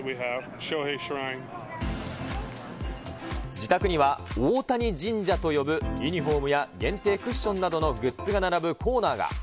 自宅には大谷神社と呼ぶユニホームや限定クッションなどのグッズが並ぶコーナーが。